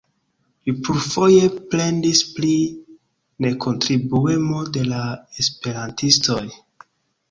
Li plurfoje plendis pri nekontribuemo de la esperantistoj.